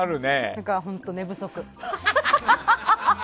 だから、本当に寝不足。